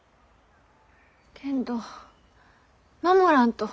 けんど守らんと。